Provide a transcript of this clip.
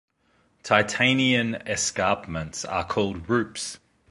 Titanian escarpments are called rupes.